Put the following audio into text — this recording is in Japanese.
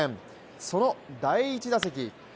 その第１打席。